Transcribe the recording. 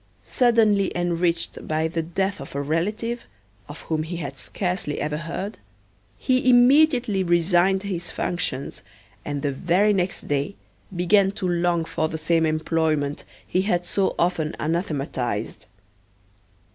Suddenly enriched by the death of a relative, of whom he had scarcely ever heard, he immediately resigned his functions, and the very next day began to long for the same employment he had so often anathematized.